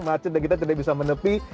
maksudnya kita tidak bisa menepi